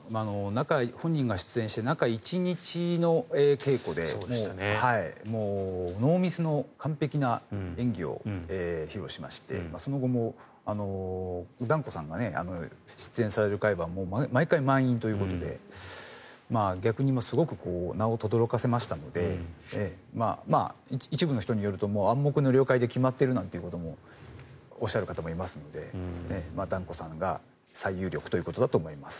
本人が出演して中１日の稽古でもうノーミスの完璧な演技を披露しましてその後も團子さんが出演される会はもう毎回満員ということで逆にすごく名をとどろかせましたので一部の人によると暗黙の了解で決まってるなんておっしゃる方もいますので團子さんが最有力ということだと思います。